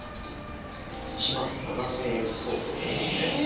１万７０００円相当ですか。